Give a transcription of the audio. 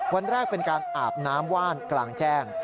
วันแรกเป็นการอาบน้ำว่านกลางแจ้ง